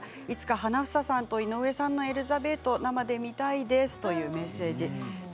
いつか花總さんと井上さんの「エリザベート」を生で見たいですとメッセージです。